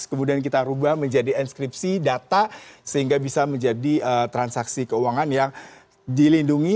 kemudian kita ubah menjadi enskripsi data sehingga bisa menjadi transaksi keuangan yang dilindungi